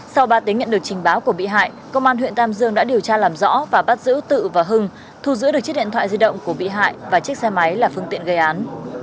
sau ba tiếng nhận được trình báo của bị hại công an huyện tam dương đã điều tra làm rõ và bắt giữ tự và hưng thu giữ được chiếc điện thoại di động của bị hại và chiếc xe máy là phương tiện gây án